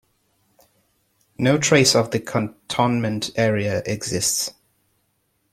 No trace of the cantonment area exists.